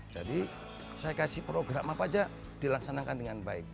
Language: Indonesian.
saya kasih program apa aja dilaksanakan dengan baik